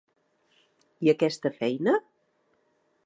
I aquesta feina?